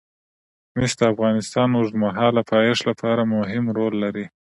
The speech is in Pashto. مس د افغانستان د اوږدمهاله پایښت لپاره مهم رول لري.